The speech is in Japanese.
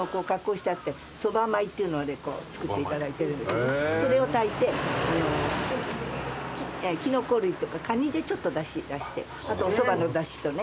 そば米っていうので作っていただいてるんですけどそれを炊いてキノコ類とかカニでちょっとだし出してあとおそばのだしとね。